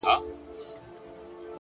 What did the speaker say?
تياره دې وي خو کور بله ډيوه نۀ ږدمه زۀ